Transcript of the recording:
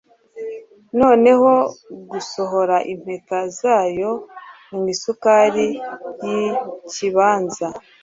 Noneho gusohora impeta zayo mu isukari yikibanza